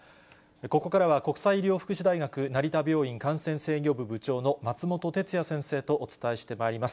ここからは、国際医療福祉大学成田病院感染制御部部長の松本哲哉先生とお伝えしてまいります。